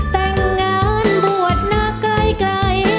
แต่งงานบวชนะใกล้